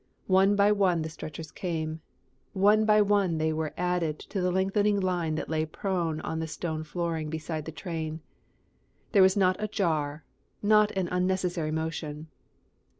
One by one the stretchers came; one by one they were added to the lengthening line that lay prone on the stone flooring beside the train. There was not a jar, not an unnecessary motion.